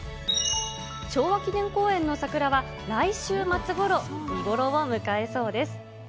昭和記念公園の桜は、来週末ごろ、見頃を迎えそうです。